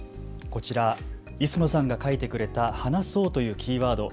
こちら、磯野さんが書いてくれた話そうというキーワード。